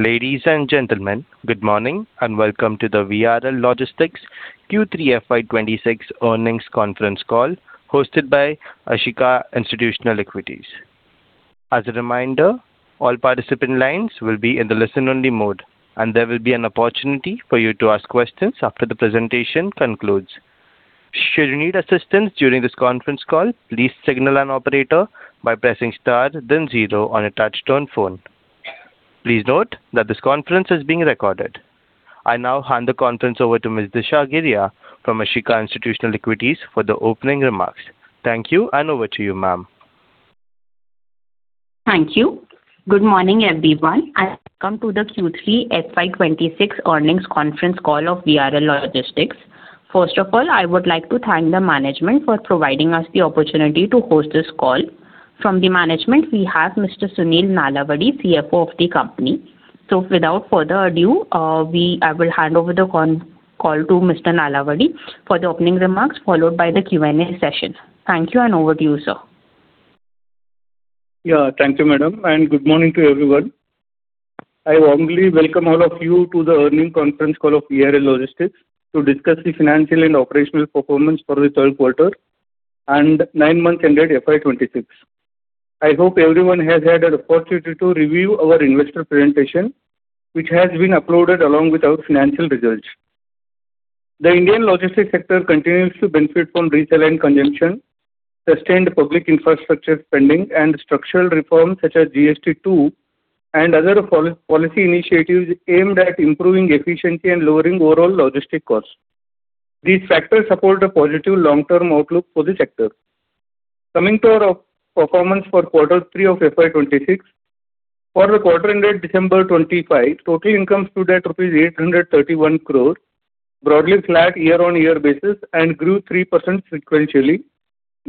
Ladies and gentlemen, good morning and welcome to the VRL Logistics Q3 FY 2026 earnings conference call hosted by Ashika Institutional Equities. As a reminder, all participant lines will be in the listen-only mode, and there will be an opportunity for you to ask questions after the presentation concludes. Should you need assistance during this conference call, please signal an operator by pressing star then 0 on a touch-tone phone. Please note that this conference is being recorded. I now hand the conference over to Ms. Disha Giria from Ashika Institutional Equities for the opening remarks. Thank you, and over to you, ma'am. Thank you. Good morning, everyone. Welcome to the Q3 FY 2026 earnings conference call of VRL Logistics. First of all, I would like to thank the management for providing us the opportunity to host this call. From the management, we have Mr. Sunil Nalavadi, CFO of the company. Without further ado, I will hand over the call to Mr. Nalavadi for the opening remarks, followed by the Q&A session. Thank you, and over to you, sir. Yeah, thank you, madam, and good morning to everyone. I warmly welcome all of you to the earnings conference call of VRL Logistics to discuss the financial and operational performance for the third quarter and 9-month ended FY 2026. I hope everyone has had an opportunity to review our investor presentation, which has been uploaded along with our financial results. The Indian logistics sector continues to benefit from retail and consumption, sustained public infrastructure spending, and structural reforms such as GST 2.0 and other policy initiatives aimed at improving efficiency and lowering overall logistic costs. These factors support a positive long-term outlook for the sector. Coming to our performance for quarter three of FY 2026, for the quarter ended December 2025, total income stood at rupees 831 crore, broadly flat year-on-year basis, and grew 3% sequentially,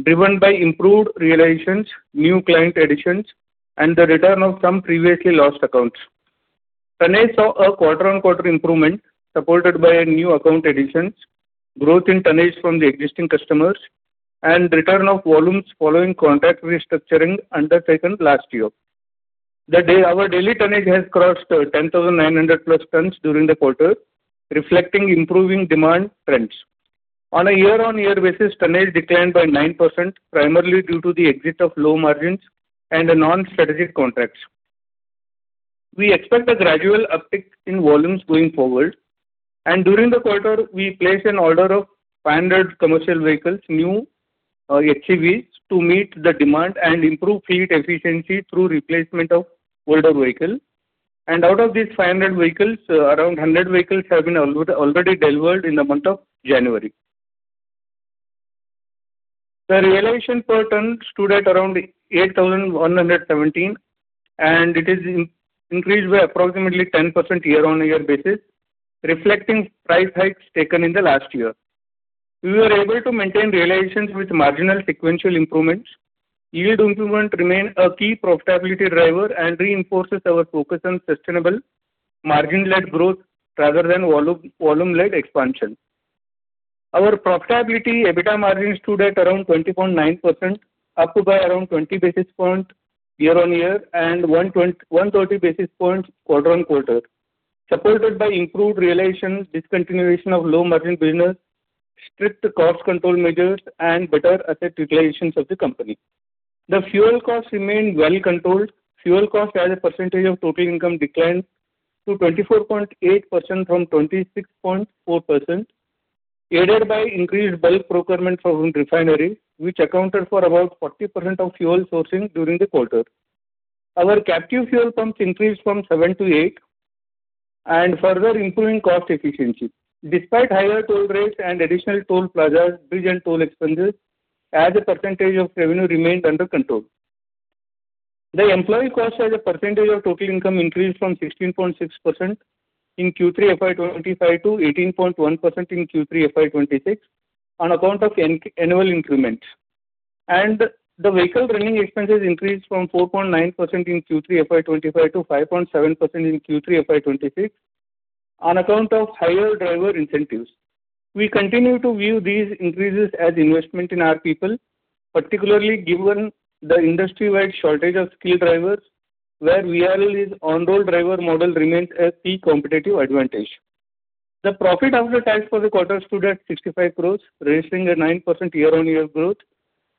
driven by improved realizations, new client additions, and the return of some previously lost accounts. Tonnage saw a quarter-on-quarter improvement supported by new account additions, growth in tonnage from the existing customers, and return of volumes following contract restructuring undertaken last year. Our daily tonnage has crossed 10,900+ tons during the quarter, reflecting improving demand trends. On a year-on-year basis, tonnage declined by 9%, primarily due to the exit of low margins and non-strategic contracts. We expect a gradual uptick in volumes going forward. During the quarter, we placed an order of 500 commercial vehicles, new HCVs, to meet the demand and improve fleet efficiency through replacement of older vehicles. Out of these 500 vehicles, around 100 vehicles have been already delivered in the month of January. The realization per ton stood at around 8,117, and it has increased by approximately 10% year-on-year basis, reflecting price hikes taken in the last year. We were able to maintain realizations with marginal sequential improvements. Yield improvement remained a key profitability driver and reinforces our focus on sustainable margin-led growth rather than volume-led expansion. Our profitability EBITDA margin stood at around 20.9%, up by around 20 basis points year-on-year and 130 basis points quarter-on-quarter, supported by improved realization, discontinuation of low margin business, strict cost control measures, and better asset utilizations of the company. The fuel cost remained well controlled. Fuel cost as a percentage of total income declined to 24.8% from 26.4%, aided by increased bulk procurement from refineries, which accounted for about 40% of fuel sourcing during the quarter. Our captive fuel pumps increased from seven to eight, and further improving cost efficiency. Despite higher toll rates and additional toll plazas, bridge, and toll expenses, as a percentage of revenue remained under control. The employee cost as a percentage of total income increased from 16.6% in Q3 FY 2025 to 18.1% in Q3 FY 2026 on account of annual increments. The vehicle running expenses increased from 4.9% in Q3 FY 2025 to 5.7% in Q3 FY 2026 on account of higher driver incentives. We continue to view these increases as investment in our people, particularly given the industry-wide shortage of skilled drivers, where VRL's on-roll driver model remains a key competitive advantage. The profit after tax for the quarter stood at 65 crores, registering a 9% year-on-year growth.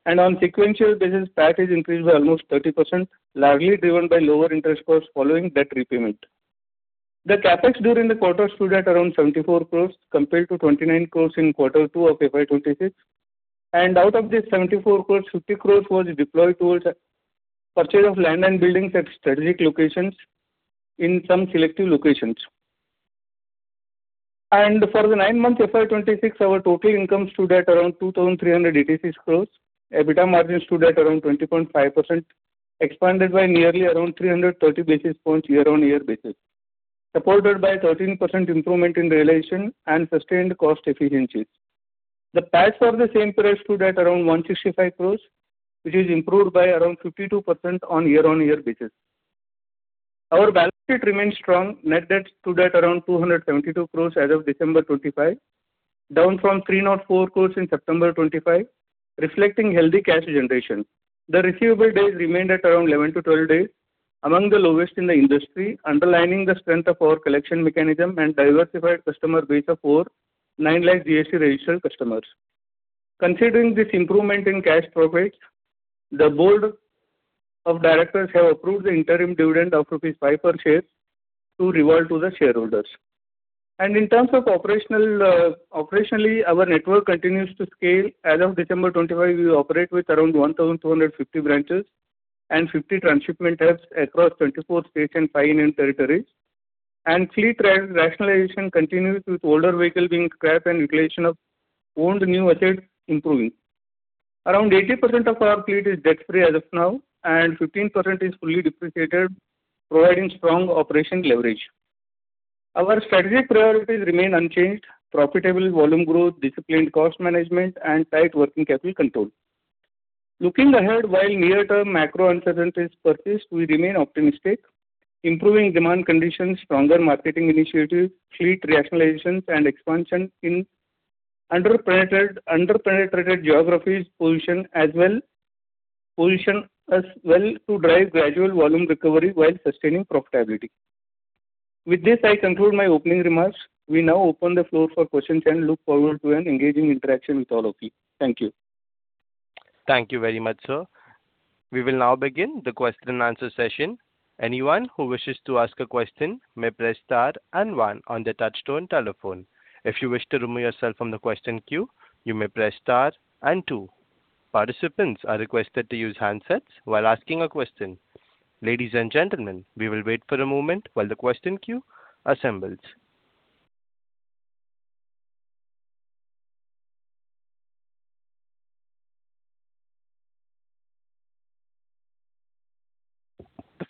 On sequential basis, PAT has increased by almost 30%, largely driven by lower interest costs following debt repayment. The CapEx during the quarter stood at around 74 crores compared to 29 crores in quarter two of FY 2026. Out of this 74 crore, 50 crore was deployed towards purchase of land and buildings at strategic locations in some selective locations. For the 9-month FY 2026, our total income stood at around 2,300 crore. EBITDA margin stood at around 20.5%, expanded by nearly around 330 basis points year-on-year basis, supported by 13% improvement in realization and sustained cost efficiencies. The PAT for the same period stood at around 165 crore, which has improved by around 52% on year-on-year basis. Our balance sheet remained strong. Net debt stood at around 272 crore as of December 2025, down from 304 crore in September 2025, reflecting healthy cash generation. The receivable days remained at around 11-12 days, among the lowest in the industry, underlining the strength of our collection mechanism and diversified customer base of over nine lakh GST-registered customers. Considering this improvement in cash profits, the board of directors has approved the interim dividend of rupees 5 per share to reward to the shareholders. And in terms of operationally, our network continues to scale. As of December 2025, we operate with around 1,250 branches and 50 transshipment hubs across 24 states and 5 Union Territories. And fleet rationalization continues, with older vehicle being scrapped and utilization of owned new assets improving. Around 80% of our fleet is debt-free as of now, and 15% is fully depreciated, providing strong operation leverage. Our strategic priorities remain unchanged: profitable volume growth, disciplined cost management, and tight working capital control. Looking ahead, while near-term macro uncertainty persists, we remain optimistic. Improving demand conditions, stronger marketing initiatives, fleet rationalizations, and expansion in underpenetrated geographies position us well to drive gradual volume recovery while sustaining profitability. With this, I conclude my opening remarks. We now open the floor for questions and look forward to an engaging interaction with all of you. Thank you. Thank you very much, sir. We will now begin the question-and-answer session. Anyone who wishes to ask a question may press star and one on the touch-tone telephone. If you wish to remove yourself from the question queue, you may press star and two. Participants are requested to use handsets while asking a question. Ladies and gentlemen, we will wait for a moment while the question queue assembles.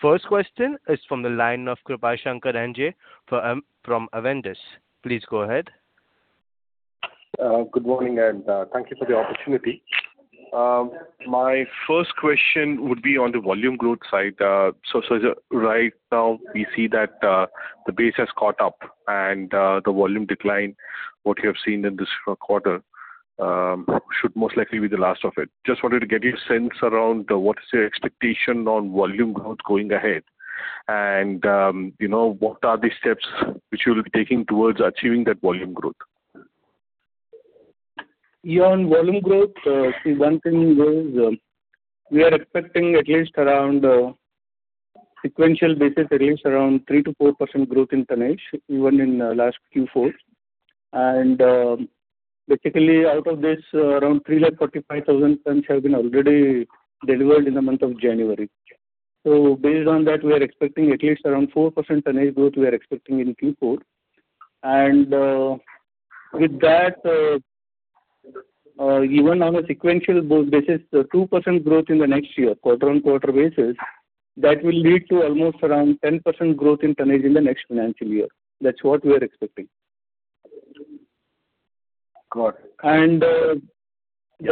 The first question is from the line of Krupashankar NJ from Avendus. Please go ahead. Good morning, and thank you for the opportunity. My first question would be on the volume growth side. So right now, we see that the base has caught up, and the volume decline, what you have seen in this quarter, should most likely be the last of it. Just wanted to get your sense around what is your expectation on volume growth going ahead, and what are the steps which you will be taking towards achieving that volume growth? Yeah, on volume growth, one thing is we are expecting at least around sequential basis, at least around 3%-4% growth in tonnage, even in last Q4. And basically, out of this, around 345,000 tons have been already delivered in the month of January. So based on that, we are expecting at least around 4% tonnage growth we are expecting in Q4. And with that, even on a sequential basis, the 2% growth in the next year, quarter-on-quarter basis, that will lead to almost around 10% growth in tonnage in the next financial year. That's what we are expecting. And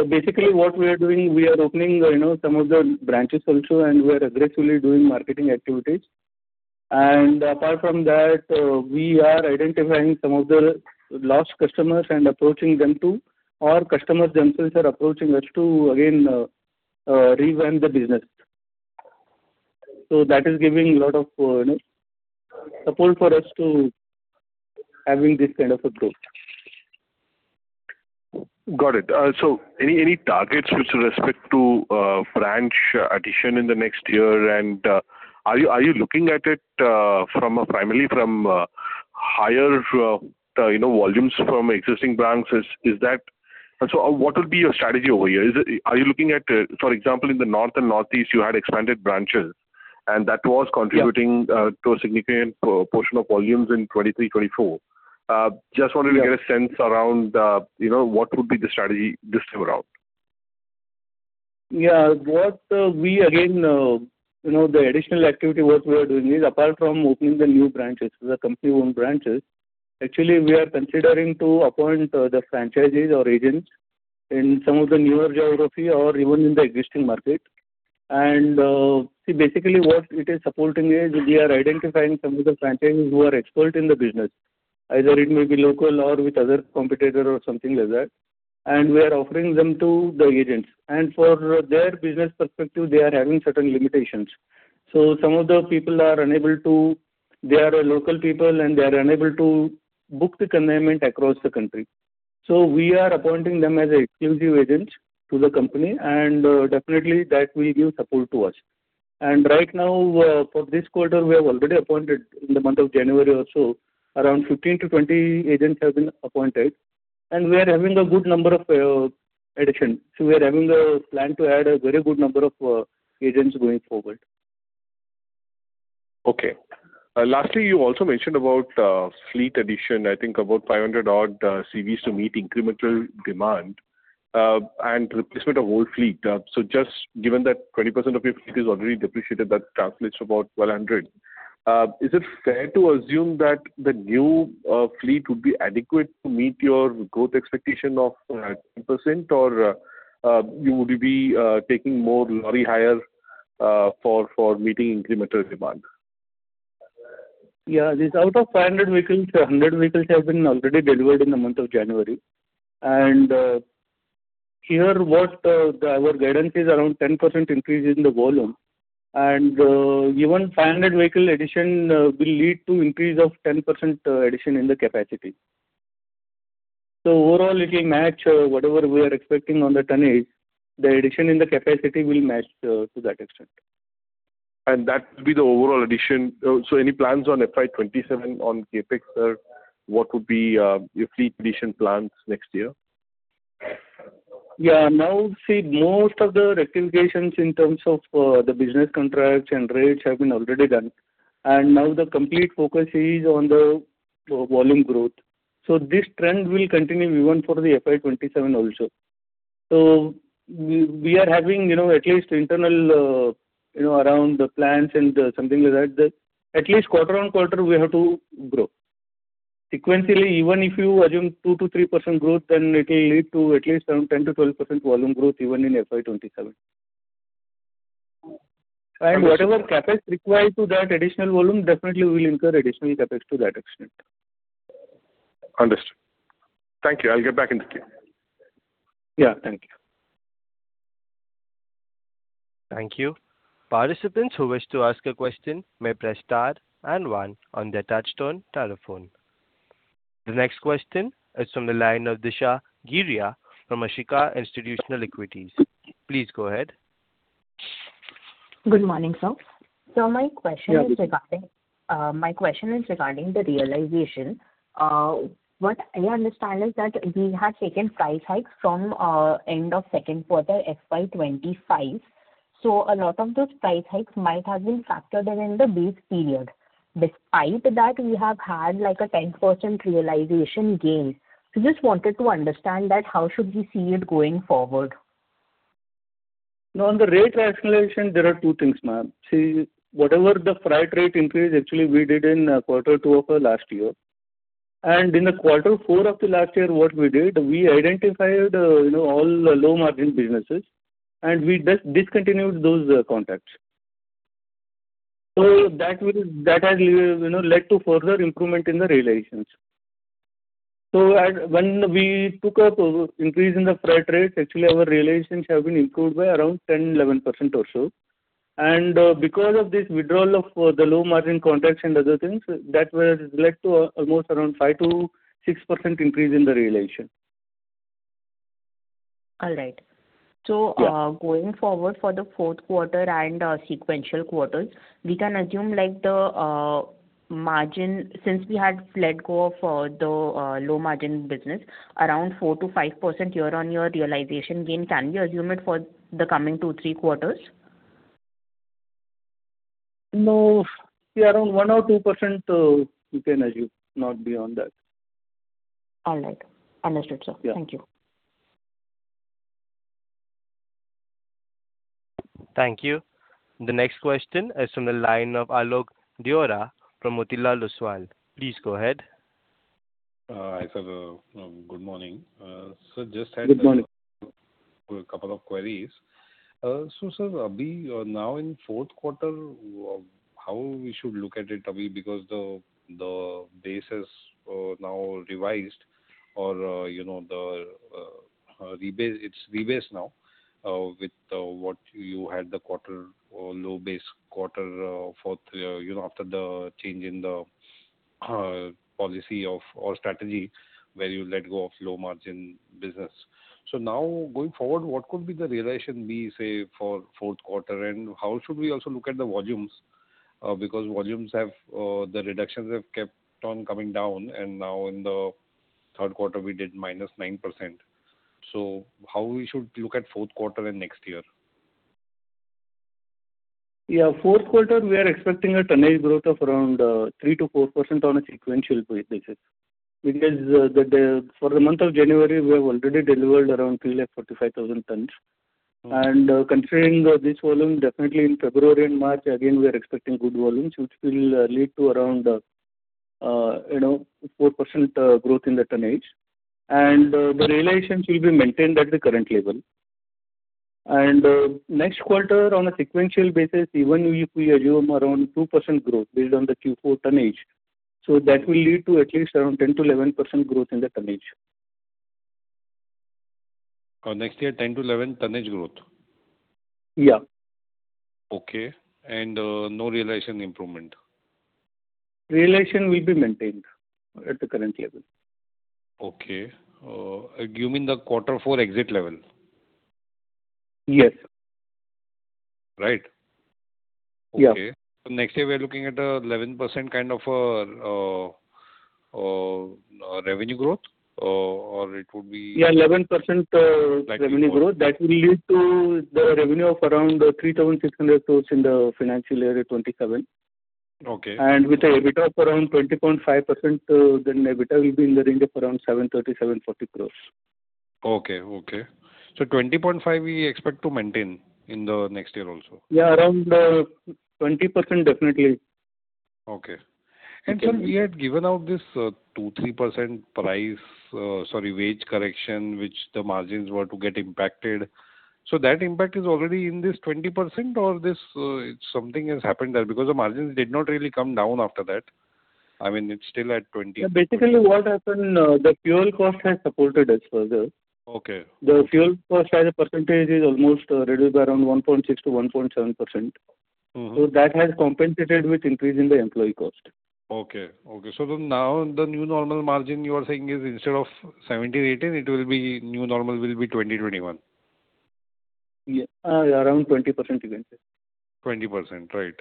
basically, what we are doing, we are opening some of the branches also, and we are aggressively doing marketing activities. And apart from that, we are identifying some of the lost customers and approaching them too, or customers themselves are approaching us to, again, revamp the business. That is giving a lot of support for us to having this kind of a growth. Got it. So any targets with respect to branch addition in the next year? And are you looking at it primarily from higher volumes from existing branches? So what would be your strategy over here? Are you looking at, for example, in the north and northeast, you had expanded branches, and that was contributing to a significant portion of volumes in 2023, 2024? Just wanted to get a sense around what would be the strategy this time around. Yeah, again, the additional activity what we are doing is apart from opening the new branches for the company-owned branches. Actually, we are considering to appoint the franchises or agents in some of the newer geography or even in the existing market. And see, basically, what it is supporting is we are identifying some of the franchises who are expert in the business, either it may be local or with other competitors or something like that. And we are offering them to the agents. And for their business perspective, they are having certain limitations. So some of the people are unable to, they are local people, and they are unable to book the consignments across the country. So we are appointing them as exclusive agents to the company, and definitely, that will give support to us. Right now, for this quarter, we have already appointed in the month of January also, around 15-20 agents have been appointed. We are having a good number of additions. We are having a plan to add a very good number of agents going forward. Okay. Lastly, you also mentioned about fleet addition, I think, about 500-odd CVs to meet incremental demand and replacement of old fleet. So just given that 20% of your fleet is already depreciated, that translates to about 1,200. Is it fair to assume that the new fleet would be adequate to meet your growth expectation of 10%, or would you be taking more lorry hire for meeting incremental demand? Yeah, out of 500 vehicles, 100 vehicles have been already delivered in the month of January. And here, what our guidance is, around 10% increase in the volume. And even 500 vehicle addition will lead to increase of 10% addition in the capacity. So overall, it will match whatever we are expecting on the tonnage. The addition in the capacity will match to that extent. That will be the overall addition. Any plans on FY 2027 on CapEx, sir? What would be your fleet addition plans next year? Yeah, now, see, most of the rectifications in terms of the business contracts and rates have been already done. And now, the complete focus is on the volume growth. So this trend will continue even for the FY 2027 also. So we are having at least internal around the plans and something like that, at least quarter-on-quarter, we have to grow. Sequentially, even if you assume 2%-3% growth, then it will lead to at least around 10%-12% volume growth even in FY 2027. And whatever CapEx required to that additional volume, definitely, we will incur additional CapEx to that extent. Understood. Thank you. I'll get back into the queue. Yeah, thank you. Thank you. Participants who wish to ask a question may press star and 1 on the touch-tone telephone. The next question is from the line of Disha Giria from Ashika Institutional Equities. Please go ahead. Good morning, sir. So my question is regarding the realization. What I understand is that we had taken price hikes from end of second quarter, FY 2025. So a lot of those price hikes might have been factored in the base period, despite that we have had a 10% realization gain. So just wanted to understand that, how should we see it going forward? Now, on the rate rationalization, there are two things, ma'am. See, whatever the freight rate increase, actually, we did in quarter two of last year. And in the quarter four of last year, what we did, we identified all low-margin businesses, and we discontinued those contracts. So that has led to further improvement in the realizations. So when we took up increase in the freight rates, actually, our realizations have been improved by around 10%-11% or so. And because of this withdrawal of the low-margin contracts and other things, that has led to almost around 5%-6% increase in the realization. All right. So going forward for the fourth quarter and sequential quarters, we can assume the margin since we had let go of the low-margin business, around 4%-5% year-on-year realization gain can be assumed for the coming two, three quarters? No, see, around 1%-2%, we can assume, not beyond that. All right. Understood, sir. Thank you. Thank you. The next question is from the line of Alok Deora from Motilal Oswal. Please go ahead. Hi, sir. Good morning. Sir, just had a couple of queries. So, sir, now in fourth quarter, how we should look at it, Abhi, because the base is now revised or it's rebase now with what you had the quarter low base quarter after the change in the policy or strategy where you let go of low-margin business. So now, going forward, what could be the realization be, say, for fourth quarter? And how should we also look at the volumes? Because the reductions have kept on coming down. And now, in the third quarter, we did -9%. So how we should look at fourth quarter and next year? Yeah, fourth quarter, we are expecting a tonnage growth of around 3%-4% on a sequential basis because for the month of January, we have already delivered around 345,000 tons. Considering this volume, definitely, in February and March, again, we are expecting good volumes, which will lead to around 4% growth in the tonnage. The realizations will be maintained at the current level. Next quarter, on a sequential basis, even if we assume around 2% growth based on the Q4 tonnage, so that will lead to at least around 10%-11% growth in the tonnage. Next year, 10-11 tonnage growth? Yeah. Okay. No realization improvement? Realization will be maintained at the current level. Okay. You mean the quarter four exit level? Yes. Right. Okay. So next year, we are looking at a 11% kind of revenue growth, or it would be? Yeah, 11% revenue growth. That will lead to the revenue of around 3,600 crores in the financial year 2027. And with a EBITDA of around 20.5%, then EBITDA will be in the range of around 730-740 crores. Okay. Okay. So 20.5, we expect to maintain in the next year also? Yeah, around 20%, definitely. Okay. Sir, we had given out this 2-3% price, sorry, wage correction, which the margins were to get impacted. So that impact is already in this 20%, or something has happened there because the margins did not really come down after that? I mean, it's still at 20%. Yeah, basically, what happened, the fuel cost has supported us further. The fuel cost as a percentage is almost reduced by around 1.6%-1.7%. So that has compensated with increase in the employee cost. Okay. Okay. So now, the new normal margin you are saying is instead of 17-18, it will be new normal will be 20-21? Yeah, around 20%, you can say. 20%. Right.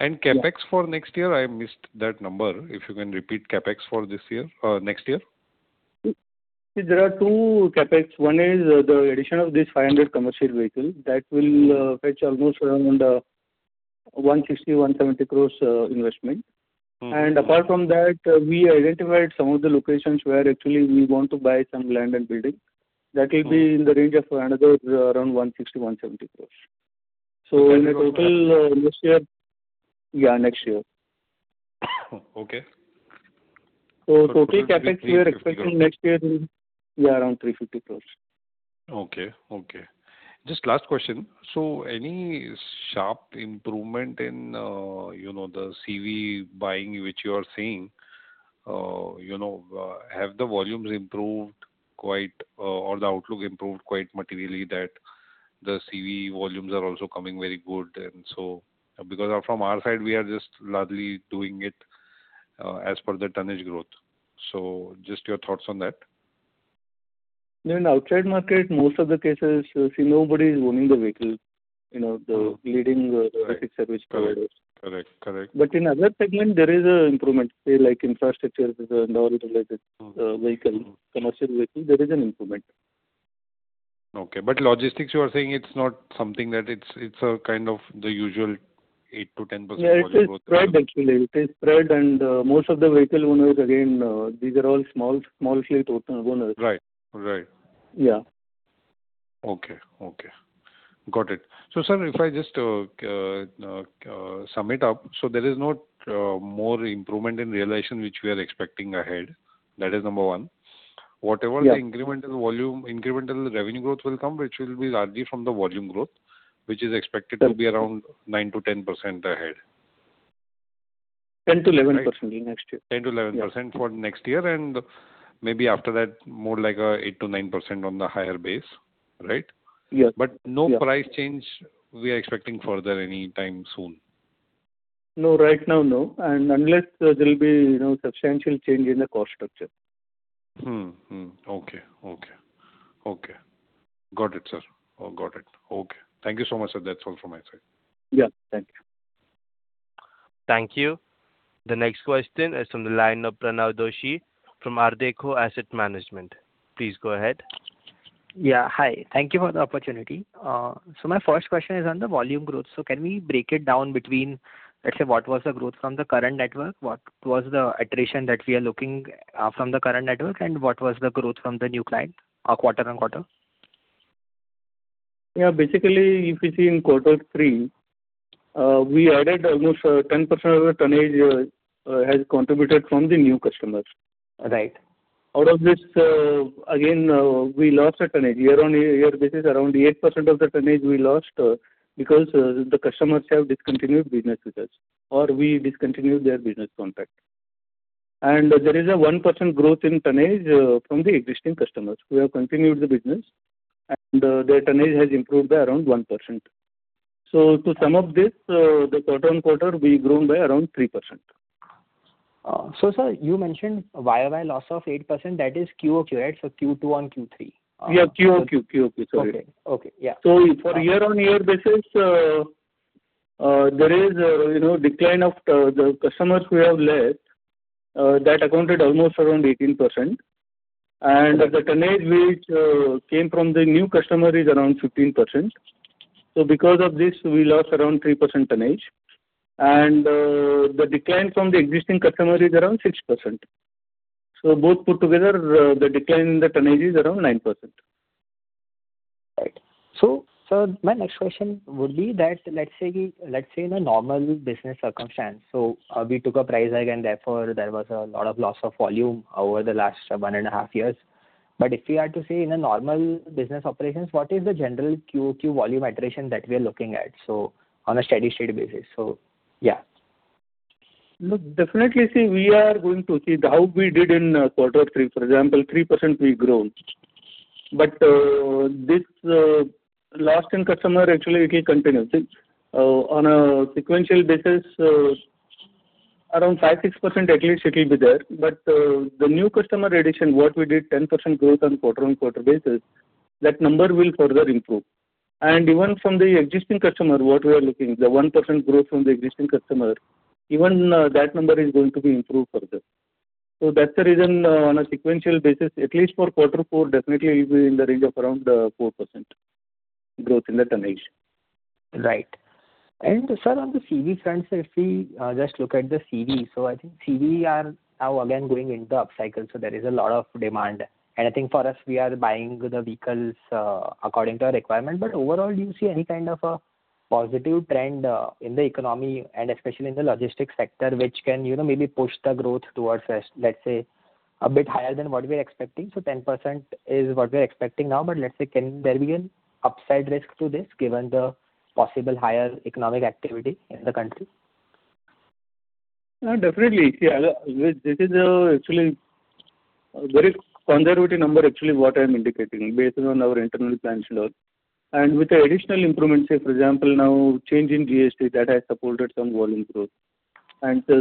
And CapEx for next year, I missed that number. If you can repeat CapEx for this year next year? See, there are 2 CapEx. One is the addition of this 500 commercial vehicle. That will fetch almost around 160-170 crores investment. And apart from that, we identified some of the locations where actually we want to buy some land and building. That will be in the range of another around 160-170 crores. So in a total, next year. Yeah, next year. So total CapEx we are expecting next year, yeah, around INR 350 crores. Okay. Okay. Just last question. So any sharp improvement in the CV buying which you are seeing? Have the volumes improved quite or the outlook improved quite materially that the CV volumes are also coming very good? And so because from our side, we are just already doing it as per the tonnage growth. So just your thoughts on that. In outside market, most of the cases, see, nobody is owning the vehicle, the leading service. Correct. Correct. Correct. In other segment, there is an improvement, say, like infrastructure and all related vehicle, commercial vehicle, there is an improvement. Okay. But logistics, you are saying it's not something that it's a kind of the usual 8%-10% volume growth? Yeah, it's spread, actually. It is spread. And most of the vehicle owners, again, these are all small fleet owners. Right. Right. Yeah. Okay. Okay. Got it. So, sir, if I just sum it up, so there is no more improvement in realization which we are expecting ahead. That is number one. Whatever the incremental volume, incremental revenue growth will come, which will be largely from the volume growth, which is expected to be around 9%-10% ahead. 10%-11% next year. 10%-11% for next year. Maybe after that, more like 8%-9% on the higher base, right? Yes. But no price change we are expecting further anytime soon? No, right now, no. Unless there will be substantial change in the cost structure. Okay. Okay. Okay. Got it, sir. Got it. Okay. Thank you so much, sir. That's all from my side. Yeah, thank you. Thank you. The next question is from the line of Pranav Doshi from Ardeko Asset Management. Please go ahead. Yeah, hi. Thank you for the opportunity. So my first question is on the volume growth. So can we break it down between, let's say, what was the growth from the current network? What was the attrition that we are looking from the current network? And what was the growth from the new client quarter-on-quarter? Yeah, basically, if you see in quarter three, we added almost 10% of the tonnage has contributed from the new customers. Out of this, again, we lost a tonnage. Year-on-year basis, around 8% of the tonnage we lost because the customers have discontinued business with us or we discontinued their business contract. And there is a 1% growth in tonnage from the existing customers. We have continued the business, and their tonnage has improved by around 1%. So to sum up this, the quarter-on-quarter, we grown by around 3%. So, sir, you mentioned YoY loss of 8%. That is QoQ, right? So Q2 on Q3. Yeah, QoQ. QoQ, sorry. So for year-on-year basis, there is a decline of the customers we have left that accounted almost around 18%. And the tonnage which came from the new customer is around 15%. So because of this, we lost around 3% tonnage. And the decline from the existing customer is around 6%. So both put together, the decline in the tonnage is around 9%. Right. So, sir, my next question would be that let's say in a normal business circumstance, so we took a price hike and therefore, there was a lot of loss of volume over the last one and a half years. But if we had to say in a normal business operations, what is the general QoQ volume iteration that we are looking at, so on a steady-steady basis? So yeah. Look, definitely, see, we are going to see how we did in quarter three. For example, 3% we grown. But this lost in customer, actually, it will continue. See, on a sequential basis, around 5-6%, at least, it will be there. But the new customer addition, what we did, 10% growth on quarter-on-quarter basis, that number will further improve. And even from the existing customer, what we are looking, the 1% growth from the existing customer, even that number is going to be improved further. So that's the reason on a sequential basis, at least for quarter four, definitely, it will be in the range of around 4% growth in the tonnage. Right. And, sir, on the CV front, sir, if we just look at the CV, so I think CV are now, again, going into upcycle. So there is a lot of demand. And I think for us, we are buying the vehicles according to our requirement. But overall, do you see any kind of a positive trend in the economy and especially in the logistics sector which can maybe push the growth towards, let's say, a bit higher than what we are expecting? So 10% is what we are expecting now. But let's say, can there be an upside risk to this given the possible higher economic activity in the country? Definitely. Yeah, this is actually a very conservative number, actually, what I am indicating based on our internal plans. With the additional improvements, say, for example, now change in GST, that has supported some volume growth.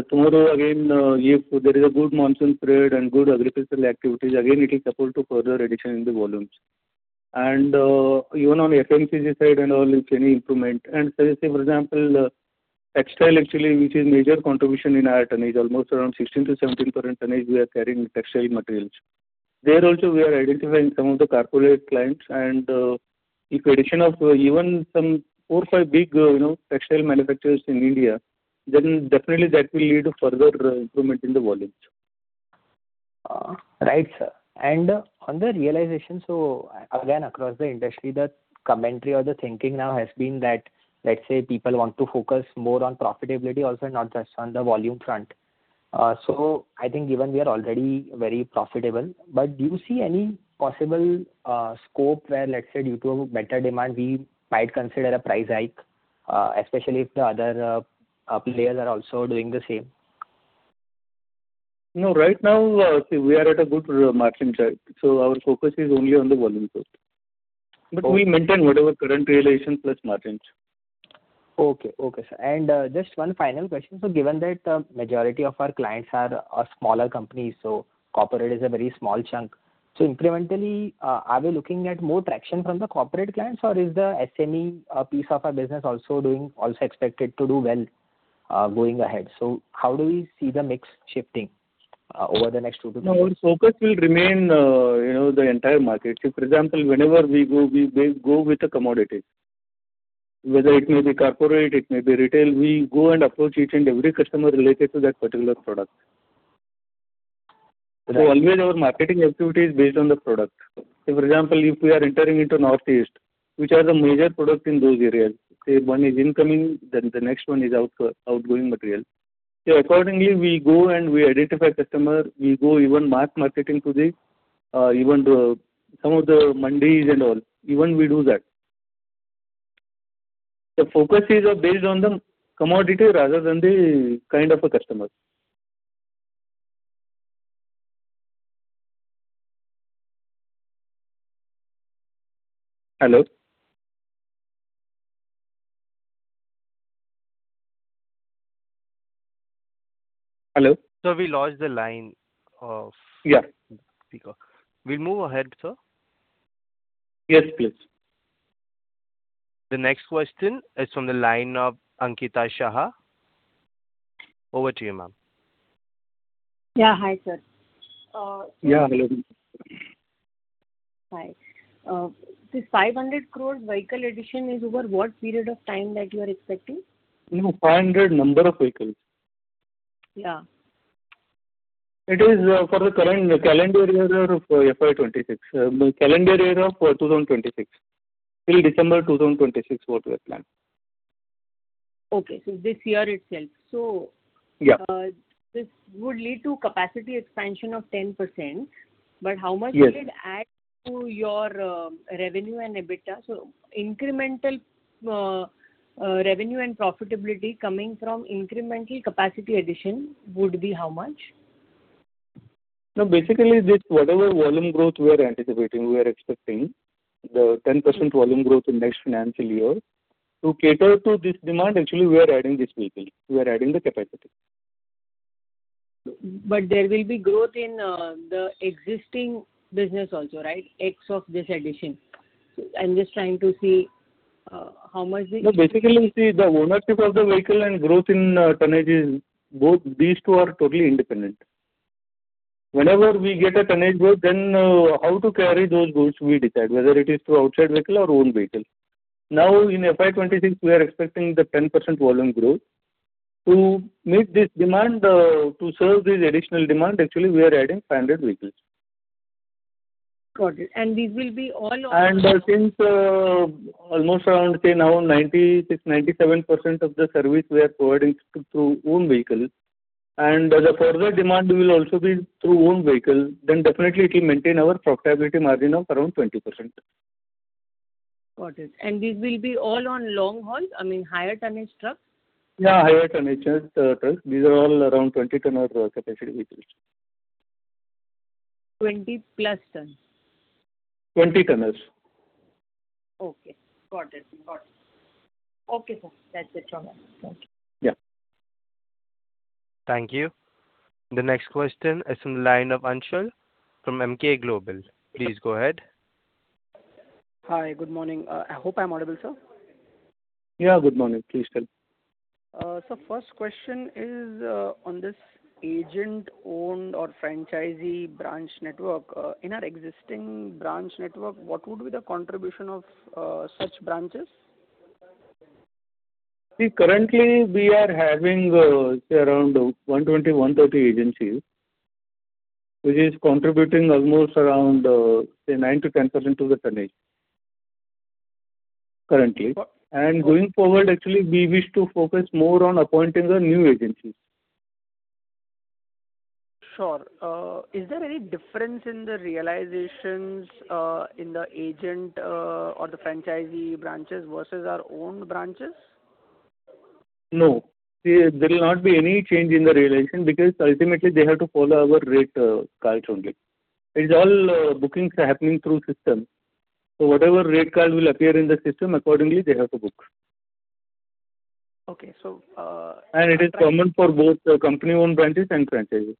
Tomorrow, again, if there is a good monsoon spread and good agricultural activities, again, it will support further addition in the volumes. Even on FMCG side and all, if any improvement. Say, for example, textile, actually, which is a major contribution in our tonnage, almost around 16%-17% tonnage, we are carrying textile materials. There also, we are identifying some of the corporate clients. If addition of even some four, five big textile manufacturers in India, then definitely, that will lead to further improvement in the volumes. Right, sir. And on the realization, so again, across the industry, the commentary or the thinking now has been that, let's say, people want to focus more on profitability also, not just on the volume front. So I think given we are already very profitable, but do you see any possible scope where, let's say, due to a better demand, we might consider a price hike, especially if the other players are also doing the same? No, right now, see, we are at a good margin chart. So our focus is only on the volume. But we maintain whatever current realization plus margins. Okay. Okay, sir. Just one final question. So given that the majority of our clients are smaller companies, so corporate is a very small chunk, so incrementally, are we looking at more traction from the corporate clients, or is the SME piece of our business also expected to do well going ahead? So how do we see the mix shifting over the next two to three years? Our focus will remain the entire market. See, for example, whenever we go, we go with the commodities. Whether it may be corporate, it may be retail, we go and approach each and every customer related to that particular product. So always, our marketing activity is based on the product. See, for example, if we are entering into Northeast, which are the major products in those areas, say, one is incoming, then the next one is outgoing material. See, accordingly, we go and we identify customer. We go even mass marketing to this, even some of the mandis and all. Even we do that. The focus is based on the commodity rather than the kind of a customer. Hello? Hello? Sir, we lost the line of speaker. We'll move ahead, sir. Yes, please. The next question is from the line of Ankita Shah. Over to you, ma'am. Yeah, hi, sir. Yeah, hello. Hi. This 500 crore vehicle addition is over what period of time that you are expecting? No, 500 number of vehicles. Yeah. It is for the current calendar year of FY 26, calendar year of 2026, till December 2026, what we are planning. Okay. So this year itself. So this would lead to capacity expansion of 10%. But how much will it add to your revenue and EBITDA? So incremental revenue and profitability coming from incremental capacity addition would be how much? No, basically, whatever volume growth we are anticipating, we are expecting the 10% volume growth in next financial year. To cater to this demand, actually, we are adding this vehicle. We are adding the capacity. But there will be growth in the existing business also, right, X of this addition? I'm just trying to see how much the. No, basically, see, the ownership of the vehicle and growth in tonnage, these two are totally independent. Whenever we get a tonnage growth, then how to carry those goods, we decide, whether it is through outside vehicle or own vehicle. Now, in FY 2026, we are expecting the 10% volume growth. To meet this demand, to serve this additional demand, actually, we are adding 500 vehicles. Got it. These will be all. And since almost around, say, now 96%-97% of the service we are providing through own vehicles, and the further demand will also be through own vehicles, then definitely, it will maintain our profitability margin of around 20%. Got it. And these will be all on long haul? I mean, higher tonnage trucks? Yeah, higher tonnage trucks. These are all around 20-tonner capacity vehicles. 20+ tons? 20 tonners. Okay. Got it. Got it. Okay, sir. That's it from us. Thank you. Yeah. Thank you. The next question is from the line of Anshul from Emkay Global. Please go ahead. Hi. Good morning. I hope I'm audible, sir. Yeah, good morning. Please tell me. Sir, first question is on this agent-owned or franchisee branch network. In our existing branch network, what would be the contribution of such branches? See, currently, we are having, say, around 120, 130 agencies, which is contributing almost around, say, 9%-10% to the tonnage, currently. Going forward, actually, we wish to focus more on appointing new agencies. Sure. Is there any difference in the realizations in the agent or the franchisee branches versus our own branches? No. See, there will not be any change in the realization because ultimately, they have to follow our rate cards only. It is all bookings happening through system. So whatever rate card will appear in the system, accordingly, they have to book. Okay. So. It is common for both company-owned branches and franchises.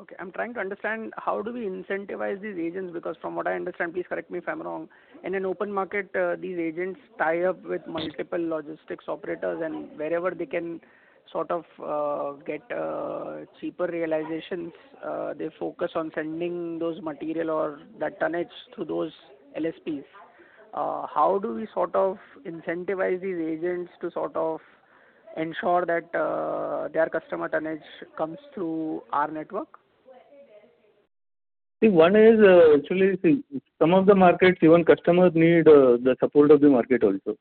Okay. I'm trying to understand, how do we incentivize these agents? Because from what I understand, please correct me if I'm wrong, in an open market, these agents tie up with multiple logistics operators, and wherever they can sort of get cheaper realizations, they focus on sending those material or that tonnage through those LSPs. How do we sort of incentivize these agents to sort of ensure that their customer tonnage comes through our network? See, one is actually, see, some of the markets, even customers need the support of the market also.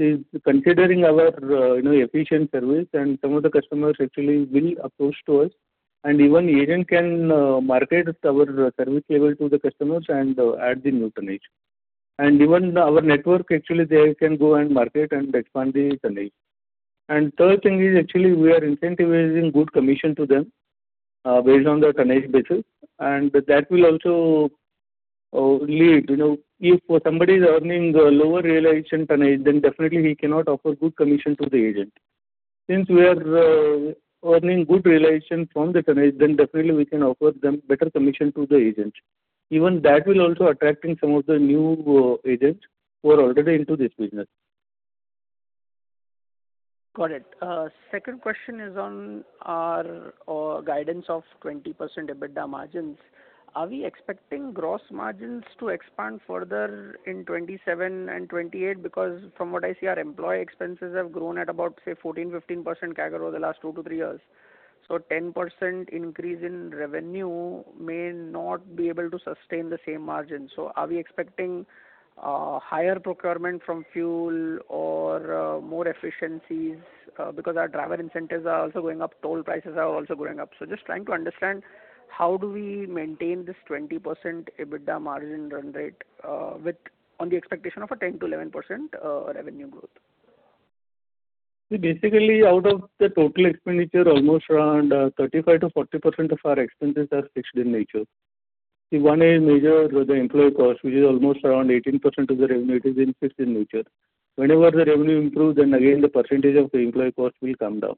See, considering our efficient service, and some of the customers actually will approach to us, and even agent can market our service level to the customers and add the new tonnage. And even our network, actually, they can go and market and expand the tonnage. And third thing is actually, we are incentivizing good commission to them based on the tonnage basis. And that will also lead, if somebody is earning lower realization tonnage, then definitely, he cannot offer good commission to the agent. Since we are earning good realization from the tonnage, then definitely, we can offer them better commission to the agent. Even that will also attract some of the new agents who are already into this business. Got it. Second question is on our guidance of 20% EBITDA margins. Are we expecting gross margins to expand further in 2027 and 2028? Because from what I see, our employee expenses have grown at about, say, 14%-15% CAGR over the last two to three years. So 10% increase in revenue may not be able to sustain the same margins. So are we expecting higher procurement from fuel or more efficiencies because our driver incentives are also going up, toll prices are also going up? So just trying to understand, how do we maintain this 20% EBITDA margin run rate on the expectation of a 10%-11% revenue growth? See, basically, out of the total expenditure, almost around 35%-40% of our expenses are fixed in nature. See, one is major: the employee cost, which is almost around 18% of the revenue, is fixed in nature. Whenever the revenue improves, then again, the percentage of employee cost will come down.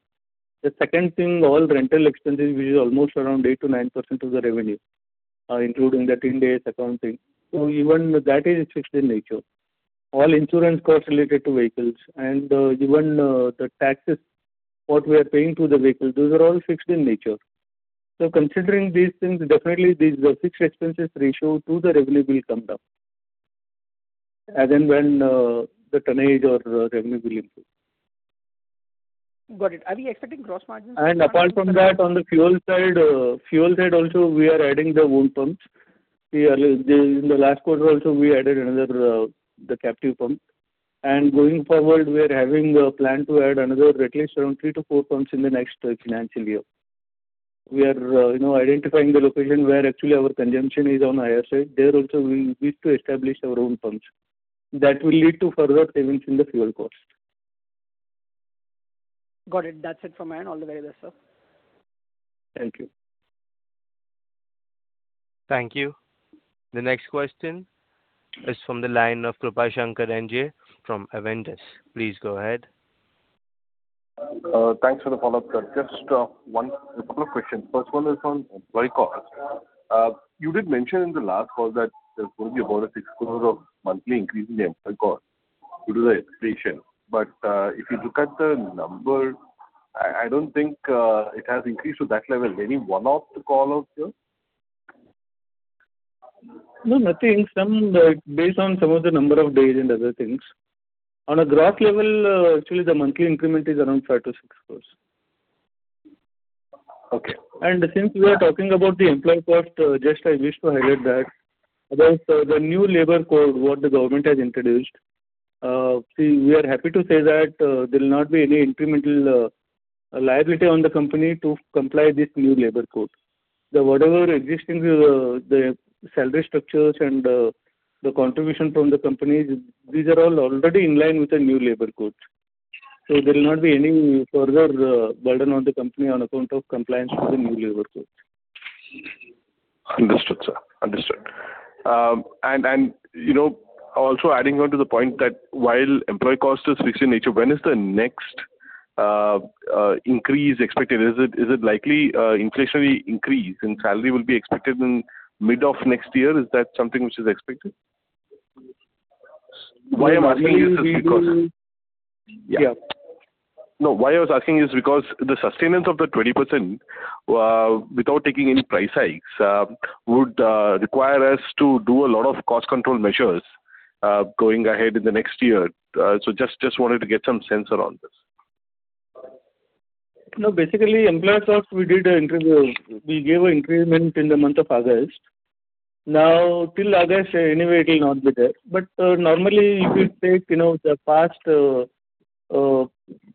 The second thing, all rental expenses, which is almost around 8%-9% of the revenue, including the 10 days accounting. So even that is fixed in nature. All insurance costs related to vehicles and even the taxes, what we are paying to the vehicles, those are all fixed in nature. So considering these things, definitely, these fixed expenses ratio to the revenue will come down as and when the tonnage or revenue will improve. Got it. Are we expecting gross margins? Apart from that, on the fuel side, fuel side, also, we are adding the own pumps. See, in the last quarter, also, we added another captive pump. Going forward, we are having a plan to add another, at least, around 3-4 pumps in the next financial year. We are identifying the location where actually our consumption is on the higher side. There also, we wish to establish our own pumps. That will lead to further savings in the fuel cost. Got it. That's it from my end. All the very best, sir. Thank you. Thank you. The next question is from the line of Krupashankar NJ from Avendus. Please go ahead. Thanks for the follow-up, sir. Just a couple of questions. First one is on employee cost. You did mention in the last call that there's going to be about a 6-4 of monthly increase in the employee cost due to the inflation. But if you look at the number, I don't think it has increased to that level. Any one-off to call out here? No, nothing. Based on some of the number of days and other things. On a gross level, actually, the monthly increment is around 5 to. [inaudible] Since we are talking about the employee cost, just I wish to highlight that. Otherwise, the new labor code, what the government has introduced, see, we are happy to say that there will not be any incremental liability on the company to comply with this new labor code. Whatever existing salary structures and the contribution from the companies, these are all already in line with the new labor code. So there will not be any further burden on the company on account of compliance with the new labor code. Understood, sir. Understood. Also adding on to the point that while employee cost is fixed in nature, when is the next increase expected? Is it likely an inflationary increase in salary will be expected in mid of next year? Is that something which is expected? Why I'm asking is because. Yeah. No, why I was asking is because the sustenance of the 20% without taking any price hikes would require us to do a lot of cost control measures going ahead in the next year. Just wanted to get some sense around this. No, basically, employee cost, we did an increase. We gave an increment in the month of August. Now, till August, anyway, it will not be there. But normally, if you take the past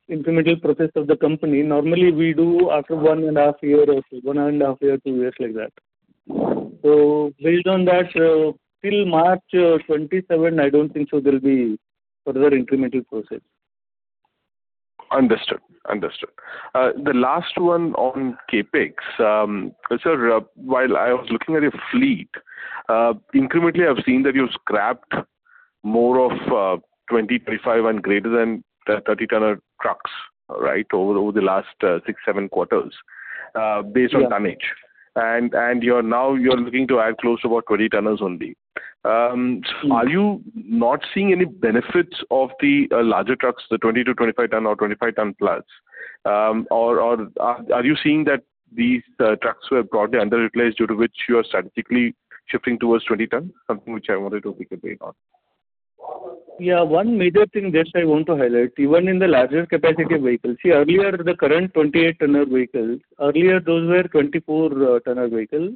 incremental process of the company, normally, we do after one and a half year or so, one and a half year, two years like that. So based on that, till March 2027, I don't think so there'll be further incremental process. Understood. Understood. The last one on CapEx, sir, while I was looking at your fleet, incrementally, I've seen that you've scrapped more of 20, 25, and greater than 30-tonner trucks, right, over the last 6, 7 quarters based on tonnage. And now, you're looking to add close to about 20 tonners only. Are you not seeing any benefits of the larger trucks, the 20-25 ton or 25 ton plus, or are you seeing that these trucks were broadly underreplaced due to which you are strategically shifting towards 20 tons, something which I wanted to pick a bit on? Yeah, one major thing that I want to highlight, even in the larger capacity vehicles, see, earlier, the current 28-tonner vehicles, earlier, those were 24-tonner vehicles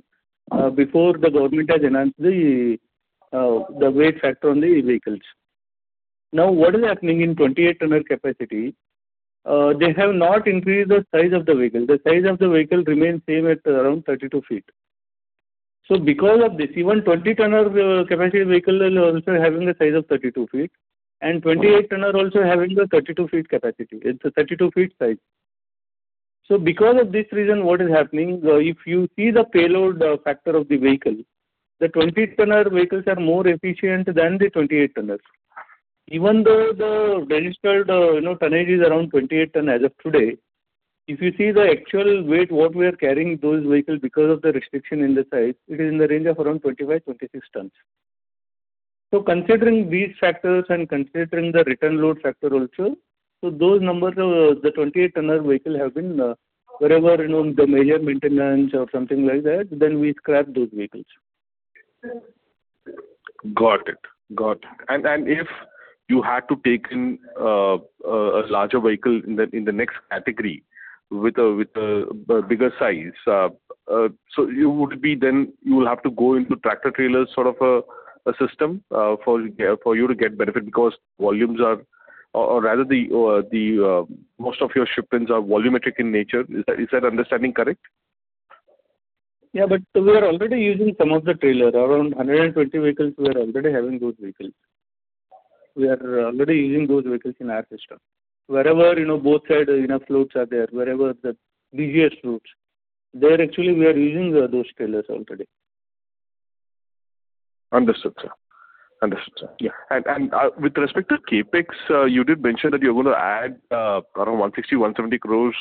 before the government has announced the weight factor on the vehicles. Now, what is happening in 28-tonner capacity? They have not increased the size of the vehicle. The size of the vehicle remains same at around 32 ft. So because of this, even 20-tonner capacity vehicle also having a size of 32 ft and 28-tonner also having a 32 ft capacity, it's a 32 ft size. So because of this reason, what is happening, if you see the payload factor of the vehicle, the 20-tonner vehicles are more efficient than the 28-tonners. Even though the registered tonnage is around 28 tons as of today, if you see the actual weight, what we are carrying, those vehicles, because of the restriction in the size, it is in the range of around 25-26 tons. So considering these factors and considering the return load factor also, so those numbers, the 28-tonner vehicle have been wherever the major maintenance or something like that, then we scrap those vehicles. Got it. Got it. And if you had to take in a larger vehicle in the next category with a bigger size, so it would be then you will have to go into tractor-trailer sort of a system for you to get benefit because volumes are or rather, most of your shipments are volumetric in nature. Is that understanding correct? Yeah, but we are already using some of the trailer. Around 120 vehicles, we are already having those vehicles. We are already using those vehicles in our system. Wherever both sides in our floats are there, wherever the busiest routes, there actually, we are using those trailers already. Understood, sir. Understood, sir. Yeah. And with respect to CapEx, you did mention that you're going to add around 160 crore-170 crore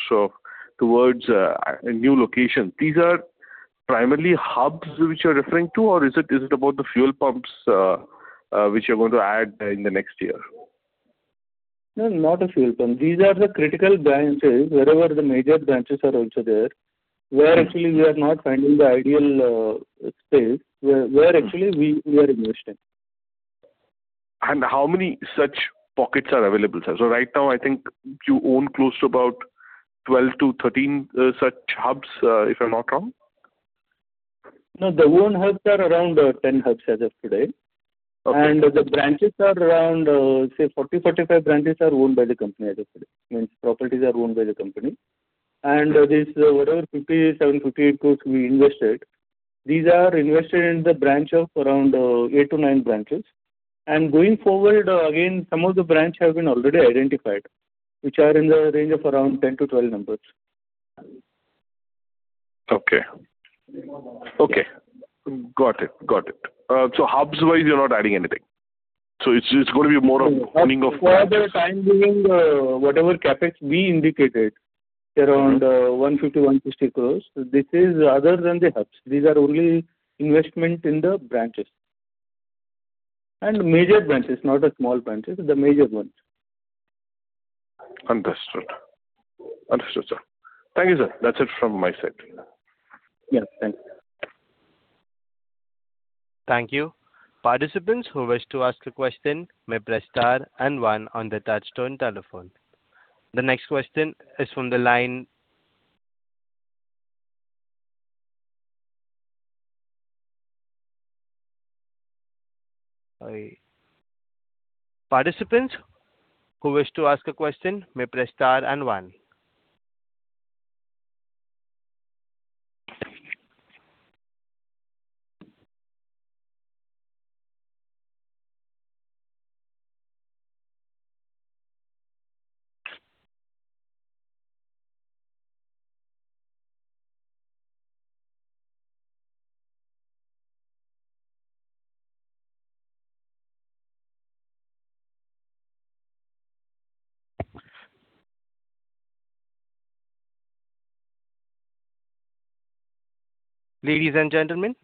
towards a new location. These are primarily hubs which you're referring to, or is it about the fuel pumps which you're going to add in the next year? No, not a fuel pump. These are the critical branches. Wherever the major branches are also there, where actually we are not finding the ideal space, where actually we are investing. How many such pockets are available, sir? Right now, I think you own close to about 12-13 such hubs, if I'm not wrong. No, the owned hubs are around 10 hubs as of today. The branches are around, say, 40-45 branches are owned by the company as of today. Means properties are owned by the company. Whatever 57-58 crores we invested, these are invested in the branch of around 8-9 branches. Going forward, again, some of the branches have been already identified, which are in the range of around 10-12 numbers. Okay. Okay. Got it. Got it. So hubs-wise, you're not adding anything. So it's going to be more of owning of. For the time being, whatever CapEx we indicated, around 150-160 crores, this is other than the hubs. These are only investment in the branches and major branches, not the small branches, the major ones. Understood. Understood, sir. Thank you, sir. That's it from my side. Yes. Thanks. Thank you. Participants who wish to ask a question may press star and one on the touchtone telephone. The next question is from the line. Participants who wish to ask a question may press star and one. Ladies and gentlemen,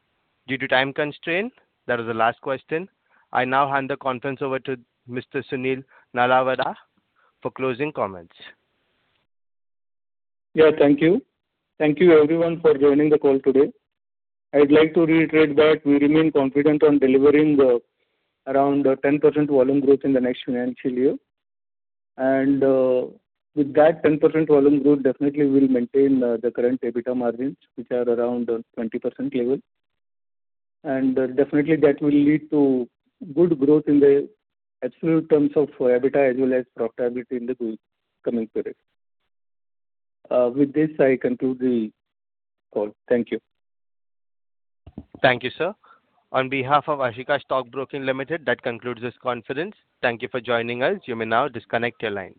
due to time constraint, that was the last question. I now hand the conference over to Mr. Sunil Nalavadi for closing comments. Yeah, thank you. Thank you, everyone, for joining the call today. I'd like to reiterate that we remain confident on delivering around 10% volume growth in the next financial year. With that 10% volume growth, definitely, we'll maintain the current EBITDA margins, which are around 20% level. Definitely, that will lead to good growth in the absolute terms of EBITDA as well as profitability in the coming period. With this, I conclude the call. Thank you. Thank you, sir. On behalf of Ashika Stock Broking Limited, that concludes this conference. Thank you for joining us. You may now disconnect your line.